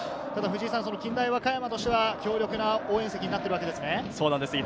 近大和歌山としては強力な応援席になってるわけですね。